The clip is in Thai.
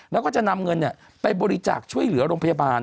แล้วก็จะนำเงินไปบริจาคช่วยเหลือโรงพยาบาล